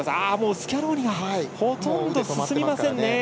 スキャローニがほとんど進みません。